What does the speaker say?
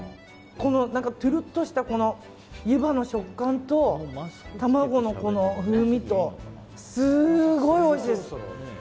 つるっとしたゆばの食感と卵の風味と、すごいおいしいです。